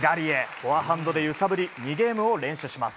フォアハンドで揺さぶり２ゲームを連取します。